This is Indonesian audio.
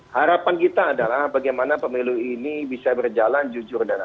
harapan kita adalah bagaimana pemilu ini bisa berjalan jujur dan adil